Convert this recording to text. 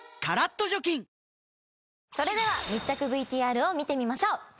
カラッと除菌それでは密着ＶＴＲを見てみましょう。